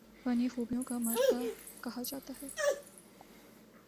فنی خوبیوں کا مرقع کہا جاتا ہے